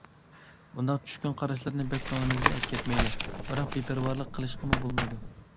بۇنداق چۈشكۈن قاراشلارنى بەك كۆڭلىمىزگە ئەپ كەتمەيلى، بىراق بىپەرۋالىق قىلىشقىمۇ بولمايدۇ.